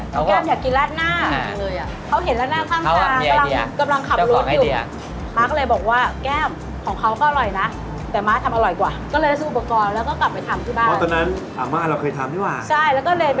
ลูกคนน้องแก้ามนี่แหละ